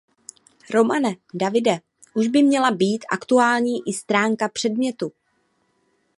Romane, Davide, už by měla být aktuální i stránka předmětu.